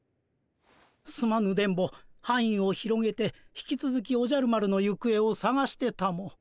すまぬ電ボはんいを広げて引きつづきおじゃる丸のゆくえをさがしてたも。